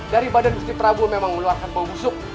dari badan ustin prabu memang meluarkan bau busuk